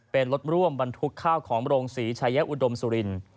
เป็นรถร่วมบรรทุกข้าวของโรงศรีชายอุดมสุรินทร์